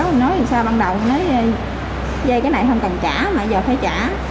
em nói làm sao ban đầu em nói dây cái này không cần trả mà giờ phải trả